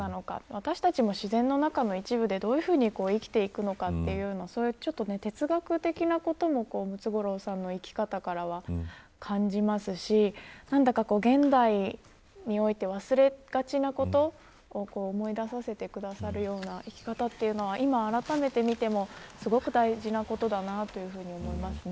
私たちも自然の中の一部でどういうふうに生きていくのかというのを哲学的なこともムツゴロウさんの生き方からは感じますし何だか現代において忘れがちなことを思い出させてくださるような生き方というのはあらためて見てもすごく大事なことだなと思いますね。